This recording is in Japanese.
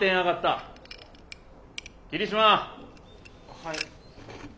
はい。